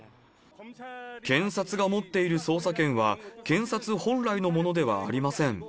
検察が持っている捜査権は、検察本来のものではありません。